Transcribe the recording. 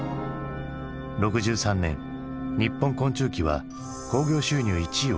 ６３年「にっぽん昆虫記」は興行収入１位を獲得。